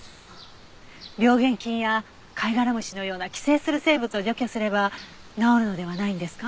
病原菌やカイガラムシのような寄生する生物を除去すれば治るのではないんですか？